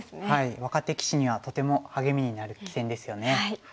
若手棋士にはとても励みになる棋戦ですよね。